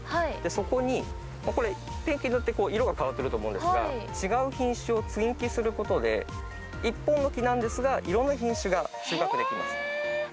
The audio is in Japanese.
そこに、ペンキ塗って色が変わってると思うんですが、違う品種を接ぎ木することで、１本の木なんですが、いろんな品種が収穫できます。